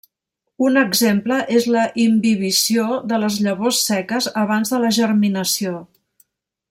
Un exemple és la imbibició de les llavors seques abans de la germinació.